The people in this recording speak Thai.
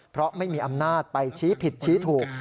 เพราะไม่มีอำนาจไปชี้ผิดชี้ถูก